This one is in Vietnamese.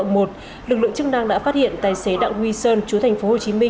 lực lượng chức năng đã phát hiện tài xế đặng huy sơn chú tp hcm